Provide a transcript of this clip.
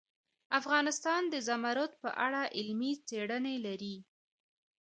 افغانستان د زمرد په اړه علمي څېړنې لري.